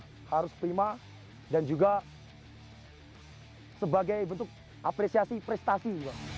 kita harus prima dan juga sebagai bentuk apresiasi prestasi